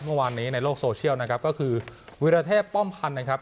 เมื่อวานนี้ในโลกโซเชียลนะครับก็คือวิราเทพป้อมพันธ์นะครับ